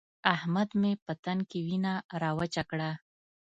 احمد مې په تن کې وينه راوچه کړه.